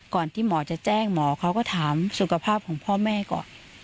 ที่หมอจะแจ้งหมอเขาก็ถามสุขภาพของพ่อแม่ก่อน